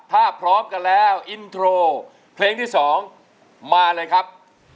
ถ้าพร้อมกันแล้วอินโทรเพลงที่๒มาเลยครับ